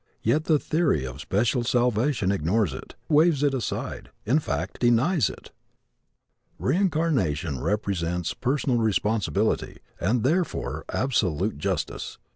Yet the theory of special salvation ignores it, waves it aside in fact denies it! Reincarnation represents personal responsibility and therefore absolute justice.